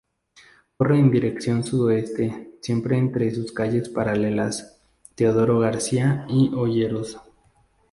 Corre en dirección sudoeste, siempre entre sus calles paralelas "Teodoro García" y "Olleros".